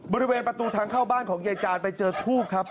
บริเวณประตูทางเข้าบ้านของยายจานไปเจอทูบครับ